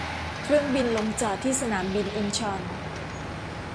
เครื่องบินลงจอดที่สนามบินอินชอน